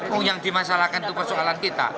oh yang dimasalahkan itu persoalan kita